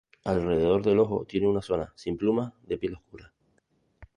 Alrededor del ojo tiene una zona sin plumas de piel oscura.